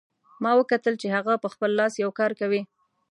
ما وکتل چې هغه په خپل لاس یو کار کوي